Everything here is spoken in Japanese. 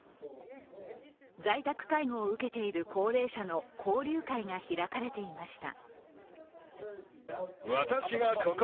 在宅介護を受けている高齢者の交流会が開かれていました。